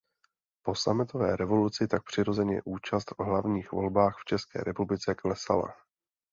Po sametové revoluci tak přirozeně účast v hlavních volbách v České republice klesala.